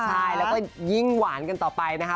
ใช่แล้วก็ยิ่งหวานกันต่อไปนะคะ